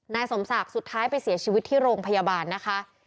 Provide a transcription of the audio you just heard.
นายสมศักดิ์สุดท้ายไปเสียชีวิตที่โรงพยาบาลนะคะ